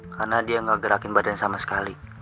karena dia gak gerakin badan sama sekali